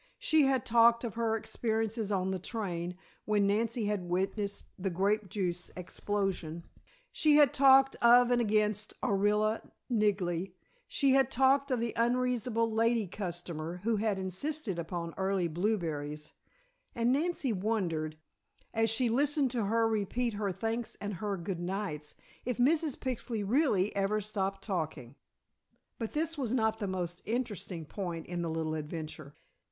She had talked of her experiences on the train when Nancy had witnessed the grape juice explosion, she had talked of and against Orilla Rigney, she had talked of the unreasonable "lady customer" who had insisted upon early blueberries, and Nancy wondered, as she listened to her repeat her thanks and her goodnights, if Mrs. Pixley really ever stopped talking. But this was not the most interesting point in the little adventure.